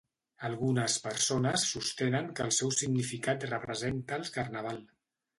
Algunes persones sostenen que el seu significat representa el carnaval.